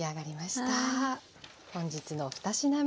本日の２品目。